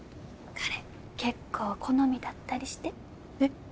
彼結構好みだったりしてえっ？